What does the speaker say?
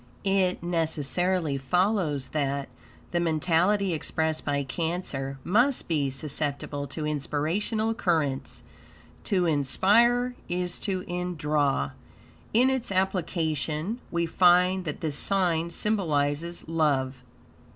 It necessarily follows that, the mentality expressed by Cancer must be susceptible to inspirational currents; to inspire is to indraw. In its application, we find that this sign symbolizes love.